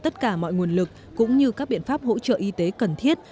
tất cả mọi nguồn lực cũng như các biện pháp hỗ trợ y tế cần thiết